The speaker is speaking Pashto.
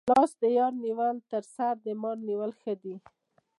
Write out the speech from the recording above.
لاس د یار نیول تر سر د مار نیولو ښه دي.